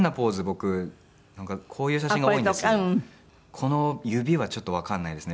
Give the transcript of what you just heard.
この指はちょっとわかんないですね